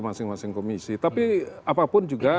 masing masing komisi tapi apapun juga